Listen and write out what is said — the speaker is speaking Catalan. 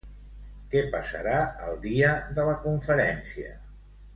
Què passarà el dia de la conferència?